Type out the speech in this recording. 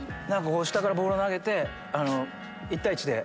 下からボールを投げて１対１で。